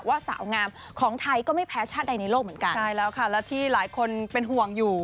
สาวงามของไทยก็ไม่แพ้ชาติใดในโลกเหมือนกันใช่แล้วค่ะแล้วที่หลายคนเป็นห่วงอยู่